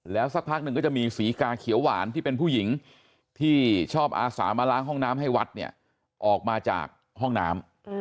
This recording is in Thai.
แล้วสักพักหนึ่งก็จะมีศรีกาเขียวหวานที่เป็นผู้หญิงที่ชอบอาสามาล้างห้องน้ำให้วัดเนี่ยออกมาจากห้องน้ำ